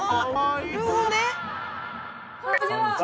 なるほどね。